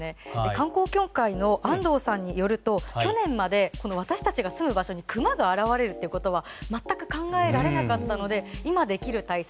観光協会の安藤さんによると去年まで私たちがいるところにクマが現れることは全く考えられなかったので今できる対策